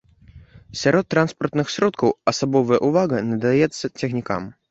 Сярод транспартных сродкаў асобная ўвага надаецца цягнікам.